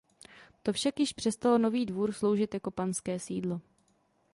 To však již přestal Nový Dvůr sloužit jako panské sídlo.